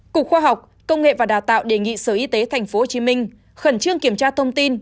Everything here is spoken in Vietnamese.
cục khoa học công nghệ và đào tạo đề nghị sở y tế tp hcm khẩn trương kiểm tra thông tin